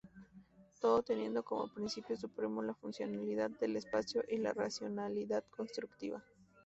Todo teniendo como principio supremo la funcionalidad del espacio y la racionalidad constructiva.